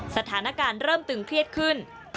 สถานการณ์เริ่มตึงเครียดขึ้น